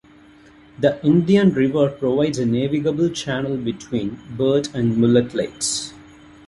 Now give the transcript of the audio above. The Indian River provides a navigable channel between Burt and Mullett lakes.